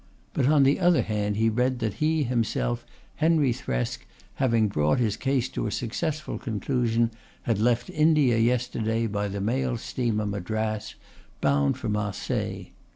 But on the other hand he read that he himself, Henry Thresk, having brought his case to a successful conclusion, had left India yesterday by the mail steamer Madras, bound for Marseilles.